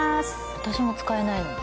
私も使えないのに。